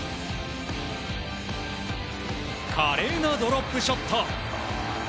華麗なドロップショット。